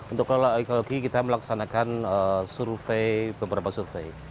untuk kelola ekologi kita melaksanakan survei beberapa survei